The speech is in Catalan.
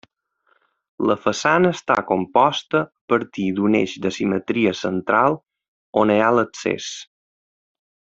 La façana està composta a partir d'un eix de simetria central, on hi ha l'accés.